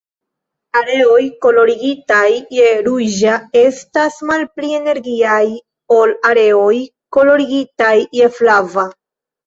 Areoj kolorigitaj je ruĝa estas malpli energiaj ol areoj kolorigitaj je flava.